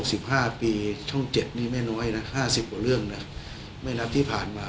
สิบห้าปีช่องเจ็ดนี่ไม่น้อยนะห้าสิบกว่าเรื่องนะไม่นับที่ผ่านมา